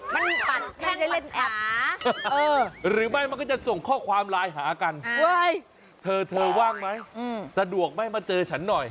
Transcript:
มันปั่นแค่ได้เล่นแอปหาหรือไม่มันก็จะส่งข้อความไลน์หากันเธอเธอว่างไหมสะดวกไหมมาเจอฉันหน่อย